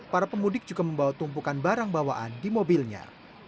para pemudik juga membawa tumpukan barang bawaan di mobilnya